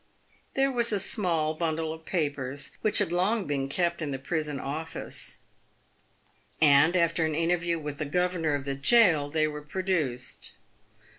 There was a small bundle of papers, which had long been kept in the prison office, and, after an interview with the governor of the gaol, they were produced.